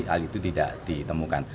hal itu tidak ditemukan